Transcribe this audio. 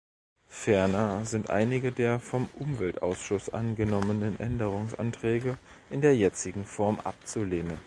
Ferner sind einige der vom Umweltausschuss angenommenen Änderungsanträge in der jetzigen Form abzulehnen.